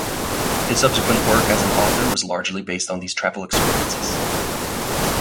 His subsequent work as an author was largely based on these travel experiences.